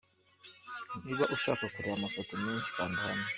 Niba ushaka kureba amafoto menshi, kanda hano:.